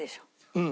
うん。